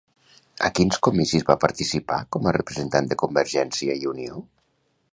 A quins comicis va participar com a representant de Convergiència i Unió?